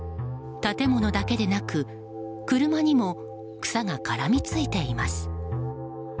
建物だけでなく車にも草が絡みついています。